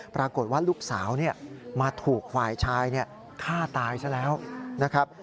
ปรากฏว่าลูกสาวมาถูกฝ่ายชายฆ่าตายซะแล้วนะครับ